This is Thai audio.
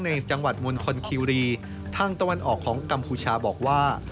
ในจังหวัดมณฑลคิวรีทางตะวันออกของกัมพูชาบอกว่า